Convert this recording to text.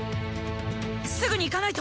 すぐに行かないと！